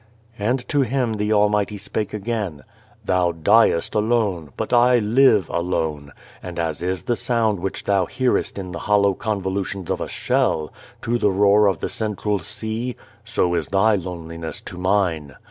And to him the Almighty spake again :" Thou diest alone, but I live alone ; and as is the sound which thou hearest in the hollow convolutions of a shell, to the roar of the central sea, so is thy loneliness to Mine.